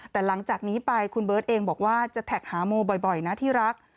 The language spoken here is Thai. แต่หลังจากนี้ไปคุณเบิร์ตเองบอกว่าจะแท็กหาโมบ่อยนะที่รัก